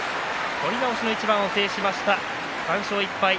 取り直しの一番を制しました３勝１敗。